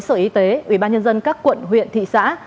sở y tế ubnd các quận huyện thị xã